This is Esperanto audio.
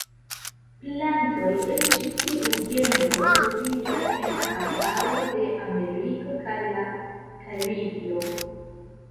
Plantoj el ĉi tiu genro troviĝas en la arbaroj de Ameriko kaj la Karibio.